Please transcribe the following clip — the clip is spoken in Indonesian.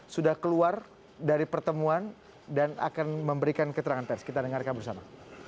sudah keluar dari pertemuan dan akan memberikan keterangan pers kita dengarkan bersama